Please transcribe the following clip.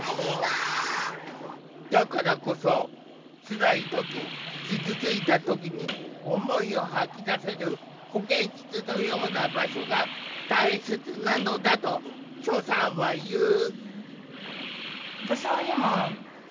だからこそつらい時傷ついた時に思いを吐き出せる保健室のような場所が大切なのだとチョさんは言う。